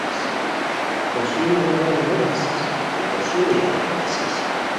کوسیرو ژاغین نو کاسیس، نو کوسیرو ژاغین کاسیس